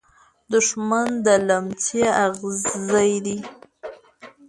دښمن د لمڅی ازغي دی .